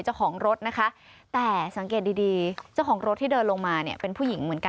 เจ้าของรถนะคะแต่สังเกตดีดีเจ้าของรถที่เดินลงมาเนี่ยเป็นผู้หญิงเหมือนกัน